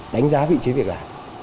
đánh giá vị trí việc làm